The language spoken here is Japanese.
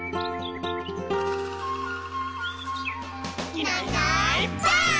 「いないいないばあっ！」